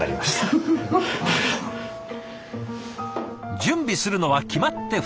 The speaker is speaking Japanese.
準備するのは決まって２つ。